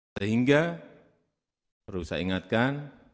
sehingga perlu saya ingatkan